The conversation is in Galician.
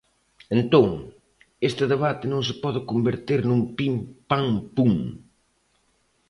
Entón, este debate non se pode converter nun pim, pam, pum.